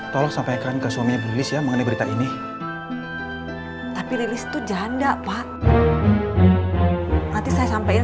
tolong sampaikan ke suami berlisya mengenai berita ini tapi rilis tujuan dapat nanti saya sampein sama